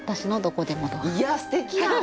いやすてきやん！